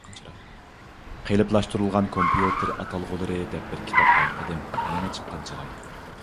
«قېلىپلاشتۇرۇلغان كومپيۇتېر ئاتالغۇلىرى» دەپ بىر كىتاب بايقىدىم، يېڭى چىققان چىراي.